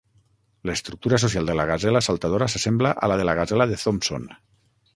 L'estructura social de la gasela saltadora s'assembla a la de la gasela de Thomson.